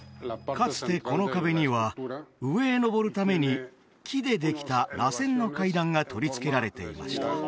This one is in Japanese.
かつてこの壁には上へのぼるために木でできたらせんの階段が取り付けられていました